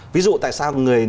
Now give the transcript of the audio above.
ví dụ tại sao người